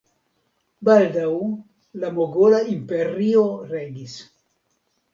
Baldaŭ la Mogola Imperio regis.